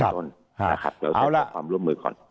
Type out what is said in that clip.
ขอความร่บมือก่อน